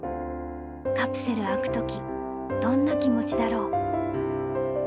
カプセル開くとき、どんな気持ちだろう。